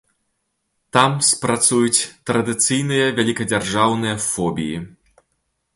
Там спрацуюць традыцыйныя вялікадзяржаўныя фобіі.